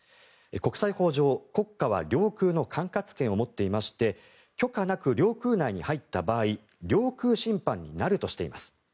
国際法上、国家は領空の管轄権を持っていまして許可なく領空内に入った場合領空侵犯になるとしています。